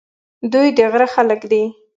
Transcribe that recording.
دوی د غره خلک دي.